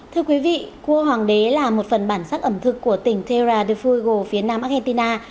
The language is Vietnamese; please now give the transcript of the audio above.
thưa quý vị cua hoàng đế là một phần bản sắc ẩm thực của tỉnh terra de fuego phía nam argentina